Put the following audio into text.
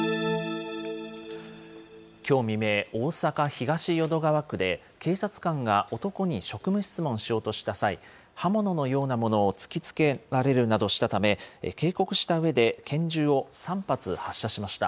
きょう未明、大阪・東淀川区で警察官が男に職務質問をしようとした際、刃物のようなものを突きつけられるなどしたため、警告したうえで拳銃を３発発射しました。